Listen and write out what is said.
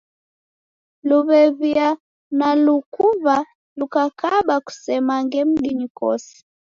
Luw'ew'ia na lukuw'a lukakaba kusemange mdinyi kosi.